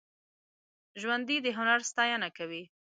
ژوندي د هنر ستاینه کوي